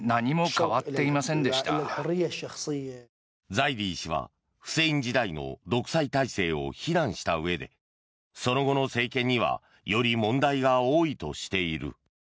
ザイディ氏はフセイン時代の独裁体制を非難したうえでその後の政権にはより問題が多いとしている。